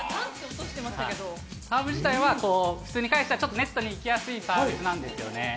サーブ自体は普通に返したらネットにいきやすいサーブなんですよね。